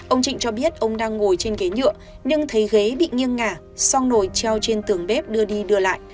ông trịnh cho biết ông đang ngồi trên ghế nhựa nhưng thấy ghế bị nghiêng ngả xong nổi treo trên tường bếp đưa đi đưa lại